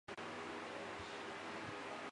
利穆西人口变化图示